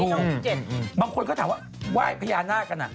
ใช่บางคนก็ถามว่าว่ายพญานาคต์กัน